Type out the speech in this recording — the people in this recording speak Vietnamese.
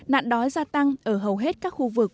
nạn đói gia tăng ở hầu hết các khu vực